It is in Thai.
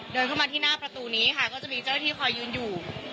เดินเข้ามาที่หน้าประตูนี้ค่ะก็จะมีเจ้าหน้าที่คอยยืนอยู่